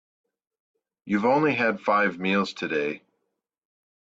You've only had five meals today.